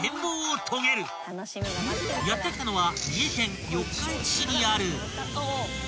［やって来たのは］